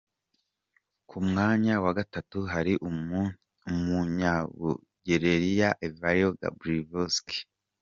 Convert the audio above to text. Ku mwanya wa gatatu hari umunya- Bulgaria, Ivaïlo Gabrovski.